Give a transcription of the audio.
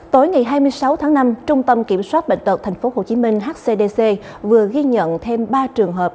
tối ngày hai mươi sáu tháng năm trung tâm kiểm soát bệnh tật tp hcm hcdc vừa ghi nhận thêm ba trường hợp